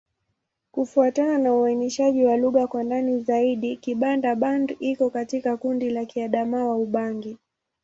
Kufuatana na uainishaji wa lugha kwa ndani zaidi, Kibanda-Banda iko katika kundi la Kiadamawa-Ubangi.